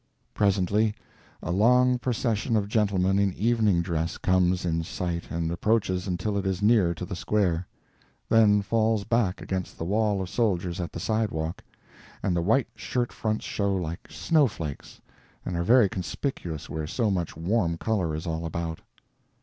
Presently a long procession of gentlemen in evening dress comes in sight and approaches until it is near to the square, then falls back against the wall of soldiers at the sidewalk, and the white shirt fronts show like snowflakes and are very conspicuous where so much warm color is all about.